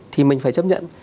thì mình phải chấp nhận